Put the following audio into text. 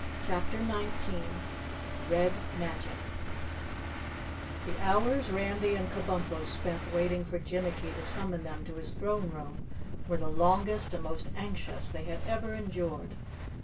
CHAPTER 19 Red Magic The hours Randy and Kabumpo spent waiting for Jinnicky to summon them to his throne room were the longest and most anxious they had ever endured.